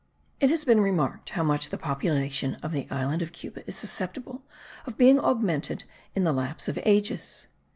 It has been remarked how much the population of the island of Cuba is susceptible of being augmented in the lapse of ages.